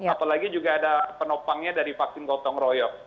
apalagi juga ada penopangnya dari vaksin gotong royong